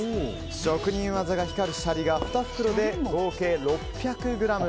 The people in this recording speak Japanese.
職人技が光るシャリが２袋で合計６００ｇ。